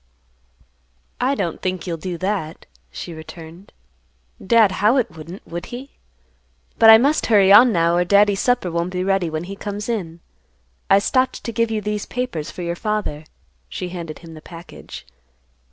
"I don't think you'll do that," she returned. "Dad Howitt wouldn't, would he? But I must hurry on now, or Daddy's supper won't be ready when he comes in. I stopped to give you these papers for your father." She handed him the package.